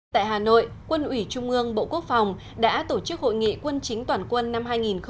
tại hà nội quân ủy trung ương bộ quốc phòng đã tổ chức hội nghị quân chính toàn quân năm hai nghìn một mươi chín